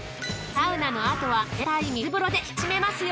サウナのあとは冷たい水風呂で引き締めますよ。